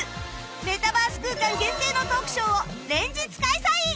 メタバース空間限定のトークショーを連日開催！